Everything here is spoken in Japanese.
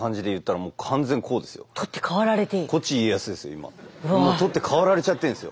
もう取って代わられちゃってんですよ。